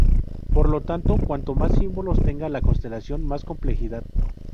Por lo tanto, cuanto más símbolos tenga la constelación, mas complejidad.